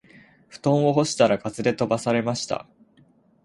布団を干したら風で飛ばされました